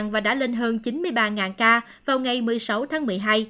và đã lên hơn chín mươi ba ca vào ngày một mươi sáu tháng một mươi hai